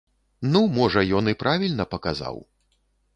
Ну, можа, ён і правільна паказаў.